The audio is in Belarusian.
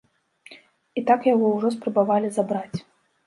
І так яго ўжо спрабавалі забраць.